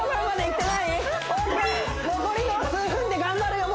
ＯＫ残りの数分で頑張るよ